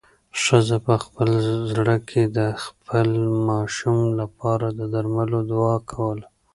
ښځې په خپل زړه کې د خپل ماشوم لپاره د درملو دعا کوله.